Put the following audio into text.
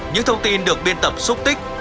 những thông tin được biên tập xúc tích